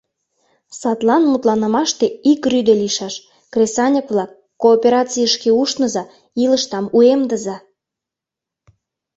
Садлан мутланымаште ик рӱдӧ лийшаш: кресаньык-влак, кооперацийышке ушныза, илышдам уэмдыза!